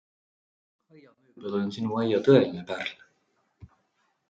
Aiamööbel on Sinu aia tõeline pärl!